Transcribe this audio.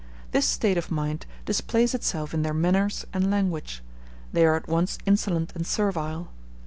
This state of mind displays itself in their manners and language; they are at once insolent and servile.